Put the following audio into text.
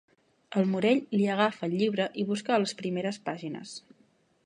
El Morell li agafa el llibre i busca a les primeres pàgines.